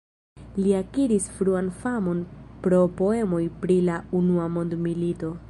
Li akiris fruan famon pro poemoj pri la Unua Mondmilito.